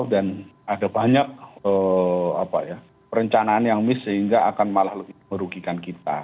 dan ada banyak perencanaan yang miss sehingga akan malah merugikan kita